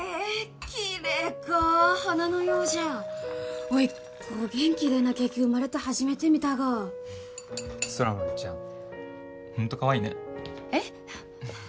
きれいか花のようじゃおいこげんきれいなケーキ生まれて初めて見たが空豆ちゃんホントかわいいねえっ？